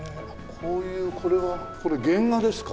こういうこれはこれ原画ですか？